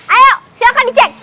ayo silahkan dicek